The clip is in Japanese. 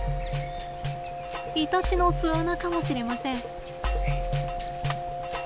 イタチの巣穴かもしれません。